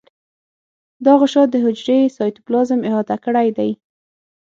دا غشا د حجرې سایتوپلازم احاطه کړی دی.